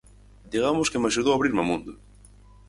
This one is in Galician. Digamos que me axudou a abrirme ao mundo.